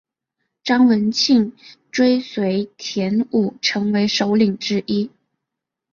张文庆追随田五成为首领之一。